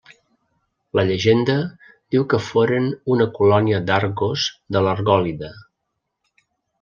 La llegenda diu que foren una colònia d'Argos de l'Argòlida.